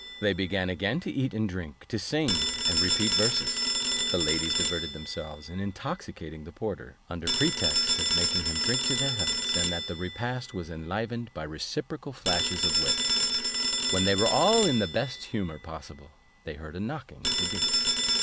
They began again to eat and drink, to sing, and repeat verses. The ladies diverted themselves in intoxicating the porter, under pretext of making him drink their healths, and the repast was enlivened by reciprocal flashes of wit. When they were all in the best humour possible, they heard a knocking at the gate.